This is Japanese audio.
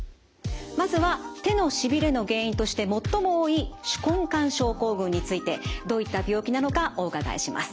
まずは手のしびれの原因として最も多い手根管症候群についてどういった病気なのかお伺いします。